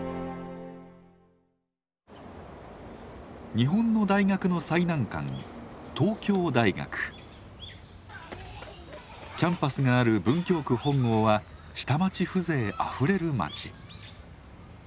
日本の大学の最難関キャンパスがある文京区本郷は下町風情あふれる町。